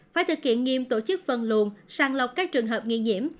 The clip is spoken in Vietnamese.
phải thực hiện nghiêm tổ chức phân luồn sang lọc các trường hợp nghi nhiễm